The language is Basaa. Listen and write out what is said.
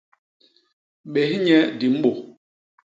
Bés nye di mbô.